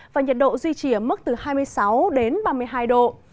và nhiệt độ duy trì ở mức từ hai mươi sáu đến ba mươi hai độ